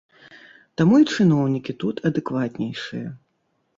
Таму і чыноўнікі тут адэкватнейшыя.